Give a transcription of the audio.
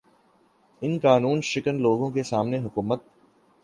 ان قانوں شکن لوگوں کے سامنے حکومت